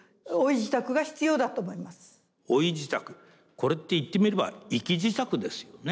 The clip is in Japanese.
これって言ってみれば生き支度ですよね。